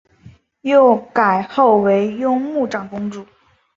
又改号为雍穆长公主。